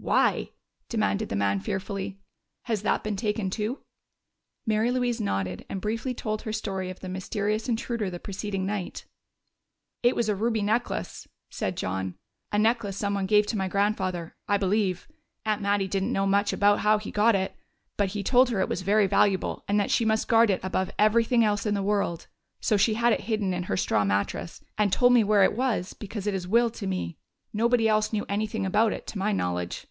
"Why?" demanded the man fearfully. "Has that been taken too?" Mary Louise nodded and briefly told her story of the mysterious intruder the preceding night. "It was a ruby necklace," said John. "A necklace someone gave to my grandfather, I believe. Aunt Mattie didn't know much about how he got it, but he told her it was very valuable and that she must guard it above everything else in the world. So she had it hidden in her straw mattress, and told me where it was, because it is willed to me. Nobody else knew anything about it, to my knowledge."